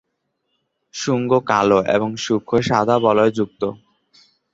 শুঙ্গ কালো এবং সূক্ষ্ম সাদা বলয় যুক্ত।